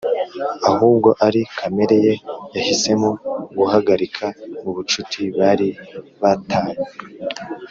Ahubwo ari kamere ye yahisemo guhagarika ubucuti bari ba tanye